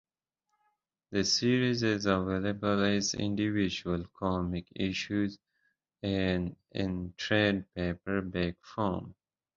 The series is available as individual comic issues and in trade paperback form.